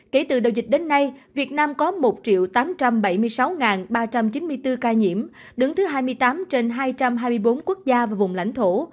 kể từ đầu dịch đến nay việt nam có một tám trăm bảy mươi sáu ba trăm chín mươi bốn ca nhiễm đứng thứ hai mươi tám trên hai trăm hai mươi bốn quốc gia và vùng lãnh thổ